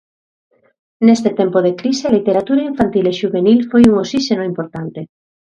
Neste tempo de crise a literatura infantil e xuvenil foi un osíxeno importante.